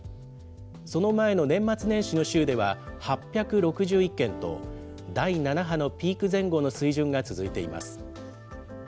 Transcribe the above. その前の年末年始の週では、８６１件と、第７波のピーク前後の水準が続いています。